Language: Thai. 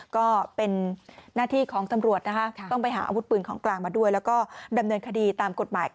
ก็เป็นหน้าที่ของสำรวจนะคะ